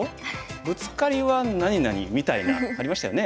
ブツカリは何々みたいなありましたよね。